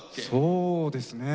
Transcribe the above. そうですね。